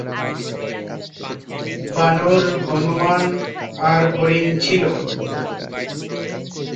বানর, হনুমান আর হরিণ ছিল।